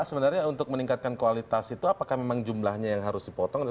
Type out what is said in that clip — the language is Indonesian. sebenarnya untuk meningkatkan kualitas itu apakah memang jumlahnya yang harus dipotong